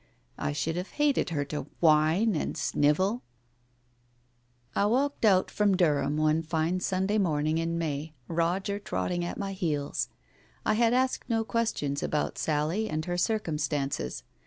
I should have hated her to whine and snivel. ...••••••• I walked out from Durham one fine Sunday morning in May, Roger trotting at my heels. I had asked no questions about Sally and her circumstances.